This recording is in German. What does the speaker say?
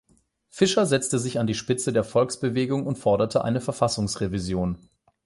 Fischer setzte sich an die Spitze der Volksbewegung und forderte eine Verfassungsrevision.